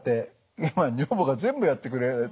今女房が全部やってくれてますね。